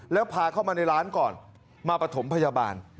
แล้วพาเข้ามาในร้านก่อนมาปฐมพยาบาล